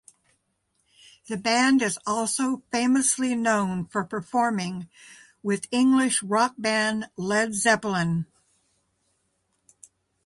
The band is also famously known for performing with English rock band Led Zeppelin.